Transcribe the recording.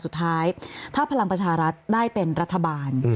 สุดท้ายถ้าพลังประชารัฐได้เป็นรัฐบาล